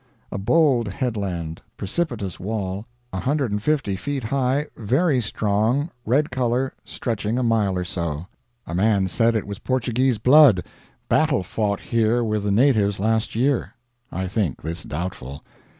A bold headland precipitous wall, 150 feet high, very strong, red color, stretching a mile or so. A man said it was Portuguese blood battle fought here with the natives last year. I think this doubtful.